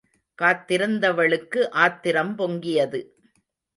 காத்திருந்தவளுக்கு ஆத்திரம் பொங்கியது!